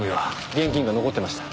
現金が残ってました。